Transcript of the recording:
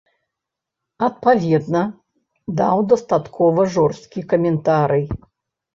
Адпаведна, даў дастаткова жорсткі каментарый.